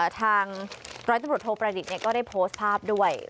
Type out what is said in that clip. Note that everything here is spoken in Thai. ทางร้อยตำรวจโทประดิษฐ์ก็ได้โพสต์ภาพด้วย